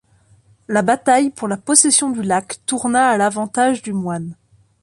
La bataille pour la possession du lac tourna à l'avantage du moine.